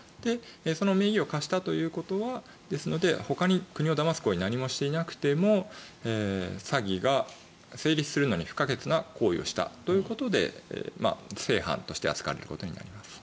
その名義を貸したということはほかに国をだます行為を何もしていなくても詐欺が成立するのに不可欠な行為をしたということで正犯として扱われることになります。